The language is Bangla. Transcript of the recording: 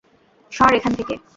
সর এখান থেকে।